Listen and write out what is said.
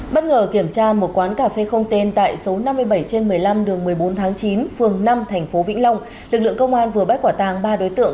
bất ngờ kiểm tra một quán cà phê không tên tại số năm mươi bảy trên một mươi năm đường một mươi bốn tháng chín phường năm tp vĩnh long lực lượng công an vừa bắt quả tàng ba đối tượng